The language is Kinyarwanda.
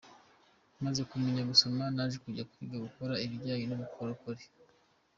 Maze kumenya gusoma naje kujya kwiga gukora ibijyanye n’ubukorikori.